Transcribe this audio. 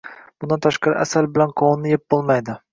Bundan tashqari asal bilan qovunni yeb bo‘lmaydi.